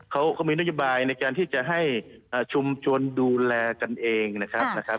เขาก็มีนโยบายในการที่จะให้ชุมชนดูแลกันเองนะครับนะครับ